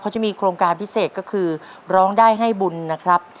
จะมีโครงการพิเศษก็คือร้องได้ให้บุญนะครับ